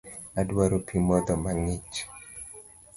Adwaro pii modho mang'ich